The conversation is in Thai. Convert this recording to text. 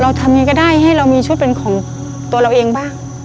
ทำยังไงก็ได้ให้เรามีชุดเป็นของตัวเราเองบ้าง